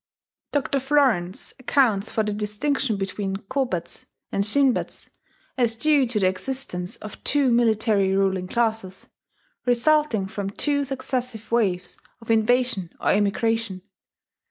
[*Dr. Florenz accounts for the distinction between Kobetsu and Shinbetsu as due to the existence of two military ruling classes, resulting from two successive waves of invasion or immigration.